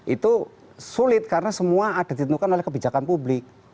itu sulit karena semua ada ditentukan oleh kebijakan publik